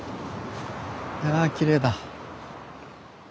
やあきれいだ。